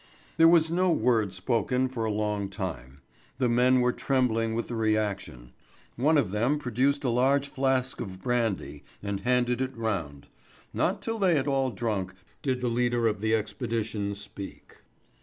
There was no word spoken for a long time. The men were trembling with the reaction. One of them produced a large flask of brandy and handed it round. Not till they had all drunk did the leader of the expedition speak.